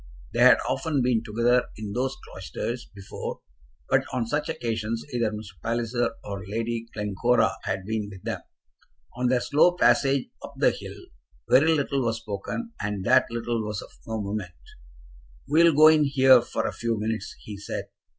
They had often been together in those cloisters before, but on such occasions either Mr. Palliser or Lady Glencora had been with them. On their slow passage up the hill very little was spoken, and that little was of no moment. "We will go in here for a few minutes," he said.